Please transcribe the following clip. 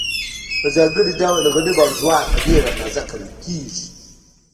په ځانګړي ډول غنم او جوار په ډېره اندازه کرل کیږي.